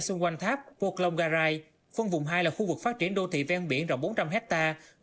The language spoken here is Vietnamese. xung quanh tháp port longgarai phân vùng hai là khu vực phát triển đô thị ven biển rộng bốn trăm linh hectare